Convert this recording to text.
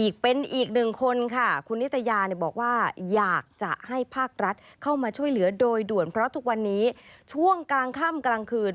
คุณนิตยาอำเล๊กทุกวันนี้ช่วงกลางค่ำกลางคืน